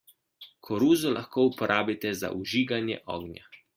Koruzo lahko uporabite za vžiganje ognja.